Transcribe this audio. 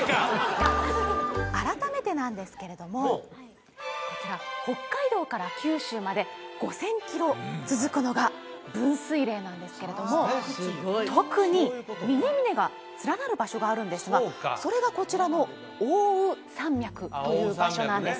改めてなんですけれどもこちら北海道から九州まで５０００キロ続くのが分水嶺なんですけれども特に峰峰が連なる場所があるんですがそれがこちらの奥羽山脈という場所なんです